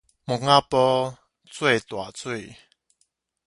墓仔埔做大水